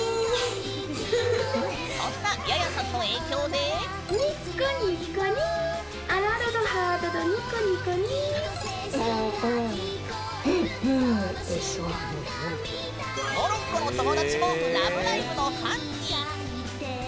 そんなヤヤさんの影響でモロッコの友達も「ラブライブ！」のファンに！